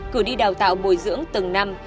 cử đi đào tạo bồi dưỡng từng năm